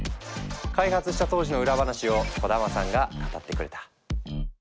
開発した当時の裏話を小玉さんが語ってくれた。